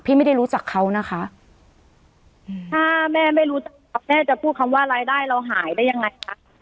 ไม่ได้รู้จักเขานะคะถ้าแม่ไม่รู้แม่จะพูดคำว่ารายได้เราหายได้ยังไงคะ